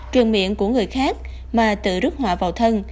trường miệng của người khác mà tự rút họa vào thân